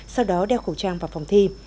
sau đó đeo khẩu trang vào phòng thi